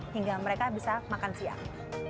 hingga mereka bisa makan siang